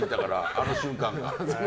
あの瞬間。